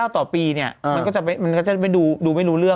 ๘๙๙ต่อปีนี่มันก็จะไปดูดูไม่รู้เรื่อง